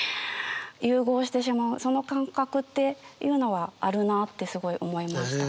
融合してしまうその感覚っていうのはあるなってすごい思いました。